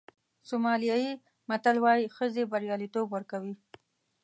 سومالیایي متل وایي ښځې بریالیتوب ورکوي.